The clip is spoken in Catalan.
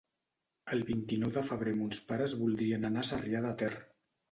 El vint-i-nou de febrer mons pares voldrien anar a Sarrià de Ter.